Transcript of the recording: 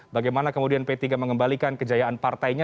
bagaimana kemudian p tiga mengembalikan kejayaan partainya